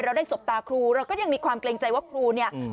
เราได้สบตาครูเราก็ยังมีความเกรงใจว่าครูเนี่ย